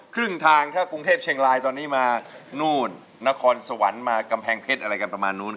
ครึ่งทางถ้ากรุงเทพเชียงรายตอนนี้มา